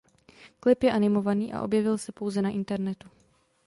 Klip je animovaný a objevil se pouze na internetu.